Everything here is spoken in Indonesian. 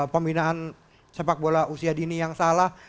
pembinaan sepak bola usia dini yang salah